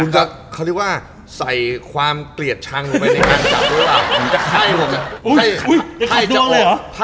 คือเขาเรียกว่าใส่ความเกลียดชังไปในการจับหรือเปล่า